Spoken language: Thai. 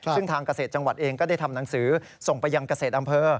ซึ่งทางเกษตรจังหวัดเองก็ได้ทำหนังสือส่งไปยังเกษตรอำเภอ